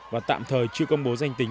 và tạm thời chưa công bố danh tính